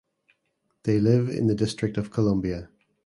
They live in the District of Columbia.